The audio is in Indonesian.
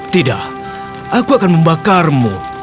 tidak aku akan membakarmu